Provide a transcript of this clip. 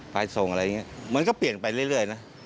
ไปส่งอะไรอย่างนี้มันก็เปลี่ยนไปเรื่อยนะ